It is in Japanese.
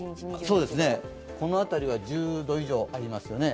この辺りは１０度以上ありますよね。